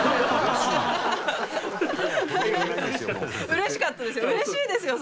うれしかったですよ！